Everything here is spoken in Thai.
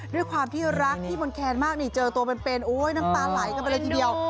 ด้วยความรักที่มนต์แคนมากนี่เจอตัวเป็นเปล่นน้ำปันไหลก็เป็นเลยทีเดียว